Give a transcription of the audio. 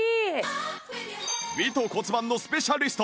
美と骨盤のスペシャリスト